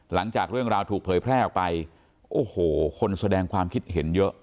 หลังจากเรื่องราวถูกเผยแพร่ออกไปโอ้โหคนแสดงความคิดเห็นเยอะ